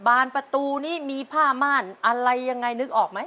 ประตูนี้มีผ้าม่านอะไรยังไงนึกออกไหม